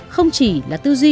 không chỉ là tư duy